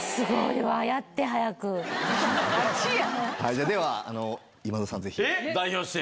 じゃあでは今田さんぜひ。代表して？